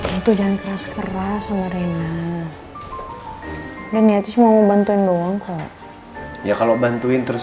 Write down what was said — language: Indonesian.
itu jangan keras keras sama rina dan nyaris mau bantuin doang kok ya kalau bantuin terus